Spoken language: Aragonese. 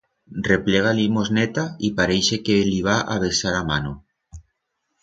Replega a limosneta y parixe que li va a besar a mano.